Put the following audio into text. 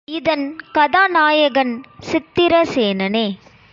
இதன் கதாநாயகன், சித்திரசேனனே.